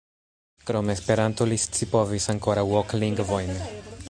Krom Esperanto li scipovis ankoraŭ ok lingvojn.